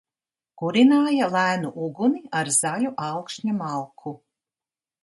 Kurināja lēnu uguni ar zaļu alkšņa malku.